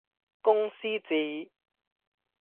公司治